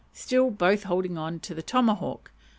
still both holding on to the tomahawk.